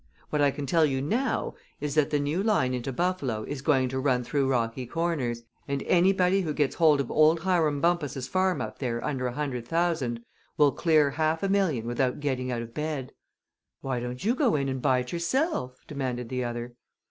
What I can tell you now is that the new line into Buffalo is going to run through Rocky Corners, and anybody who gets hold of old Hiram Bumpus's farm up there under a hundred thousand will clear half a million without getting out of bed." "Why don't you go in and buy it yourself?" demanded the other.